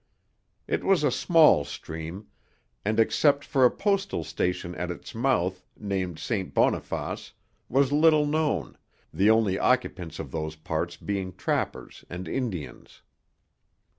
It was a small stream, and except for a postal station at its mouth named St. Boniface, was little known, the only occupants of those parts being trappers and Indians.